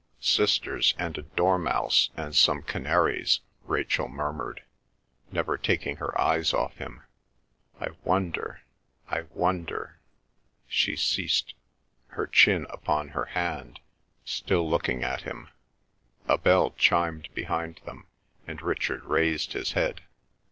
"Sisters and a dormouse and some canaries," Rachel murmured, never taking her eyes off him. "I wonder, I wonder." She ceased, her chin upon her hand, still looking at him. A bell chimed behind them, and Richard raised his head.